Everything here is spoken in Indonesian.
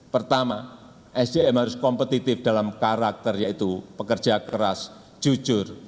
pertama sdm harus kompetitif dalam karakter yaitu pekerja keras jujur